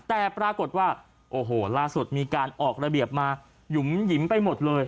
แต่ปรากฏว่าโอ้โหล่าสุดมีการออกระเบียบมาหยุ่มหยิมไปหมดเลย